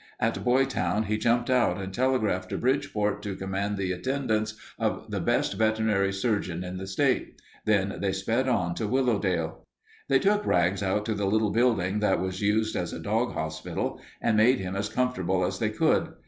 At Boytown he jumped out and telegraphed to Bridgeport to command the attendance of the best veterinary surgeon in the state. Then they sped on to Willowdale. They took Rags out to the little building that was used as a dog hospital and made him as comfortable as they could.